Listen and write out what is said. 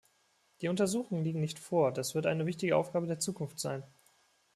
Die Untersuchungen liegen nicht vor, das wird eine wichtige Aufgabe der Zukunft sein.